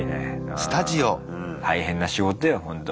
大変な仕事よほんとに。